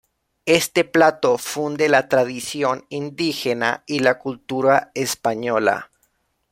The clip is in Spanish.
Este plato funde la tradición indígena y la cultura española.